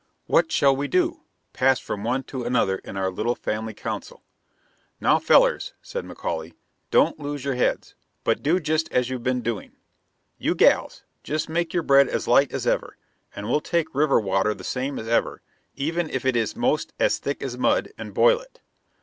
"What shall we do?" passed from one to another in our little family council. "Now, fellers," said McAuley, "don't lose your heads, but do jist as you've been doing. You gals, jist make your bread as light as ever, and we'll take river water the same as ever, even if it is most as thick as mud, and boil it."